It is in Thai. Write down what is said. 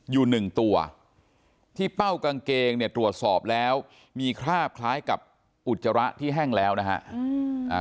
อยู่หนึ่งตัวที่เป้ากางเกงเนี่ยตรวจสอบแล้วมีคราบคล้ายกับอุจจาระที่แห้งแล้วนะฮะ